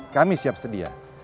kami siap sedia